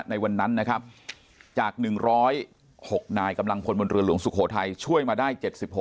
ในวันนั้นนะครับจาก๑๐๖นายกำลังพลบนเรือหลวงสุโขทัยช่วยมาได้๗๖